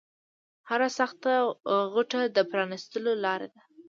هره سخته غوټه د پرانیستلو لاره لري